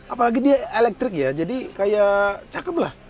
apalagi dia elektrik ya jadi kayak cakep lah